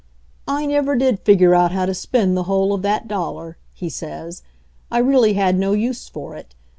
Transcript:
"I never did figure out how to spend the whole of that dollar," he says. "I really had no use for it.